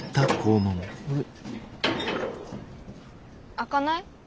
開かない？